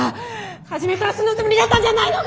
初めからそのつもりだったんじゃないのか！